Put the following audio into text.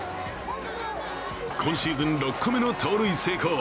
今シーズン６個目の盗塁成功。